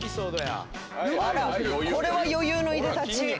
これは余裕のいでたち。